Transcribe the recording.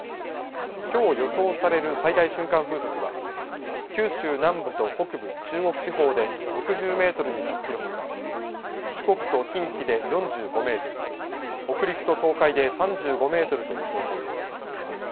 きょう予想される最大瞬間風速は、九州南部と北部、中国地方で６０メートルに達するほか、四国と近畿で４５メートル、北陸と東海で３５メートルと予想されています。